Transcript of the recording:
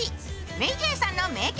ＭａｙＪ．さんの名曲